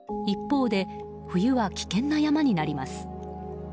一方で冬は危険な山になります。